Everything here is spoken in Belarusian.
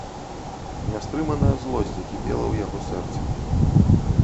Нястрыманая злосць закіпела ў яго сэрцы.